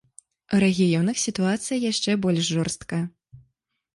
У рэгіёнах сітуацыя яшчэ больш жорсткая.